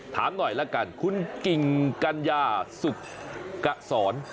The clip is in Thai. ถามหน่อยละกันคุณกิ่งกัญญาสุขสอน